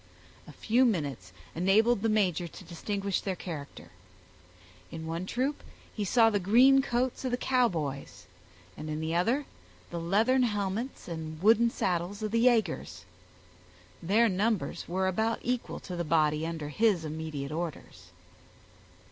A few minutes enabled the major to distinguish their character. In one troop he saw the green coats of the Cowboys, and in the other the leathern helmets and wooden saddles of the yagers. Their numbers were about equal to the body under his immediate orders.